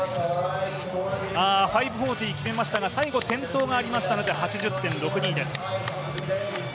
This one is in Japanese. ５４０決めましたが最後転倒がありましたので８０．６２です。